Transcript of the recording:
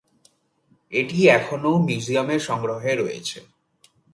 এটি এখনও মিউজিয়ামের সংগ্রহে রয়েছে।